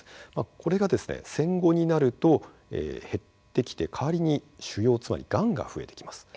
これが、戦後になると減ってきてかわりに腫瘍つまり、がんが増えてきます。